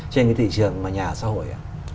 trên cái thị trường nhà ở xã hội